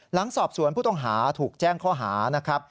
หลังสอบสวนผู้ต้องหาถูกแจ้งข้อหานะครับ